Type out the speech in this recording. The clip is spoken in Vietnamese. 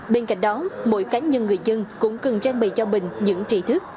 bên cạnh đó mỗi cá nhân người dân cũng cần trang bày cho mình những trí thức